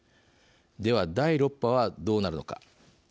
では、第６波はどうなるのか。